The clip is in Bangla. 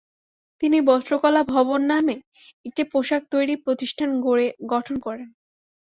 তিনি বস্ত্রকলা ভবন নামে একটি পোশাক তৈরি প্রতিষ্ঠান গঠন করেন।